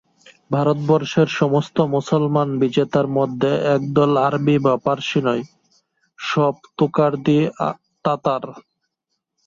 ভারতবর্ষের সমস্ত মুসলমান বিজেতার মধ্যে একদলও আরবী বা পার্শী নয়, সব তুর্কাদি তাতার।